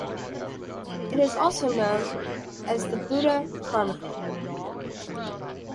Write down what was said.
It is also known as the "Buda Chronicle".